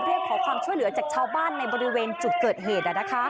เรียกขอความช่วยเหลือจากชาวบ้านในบริเวณจุดเกิดเหตุ